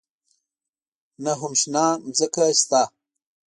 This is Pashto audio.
نه هم شنه ځمکه شته.